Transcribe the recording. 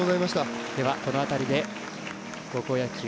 この辺りで高校野球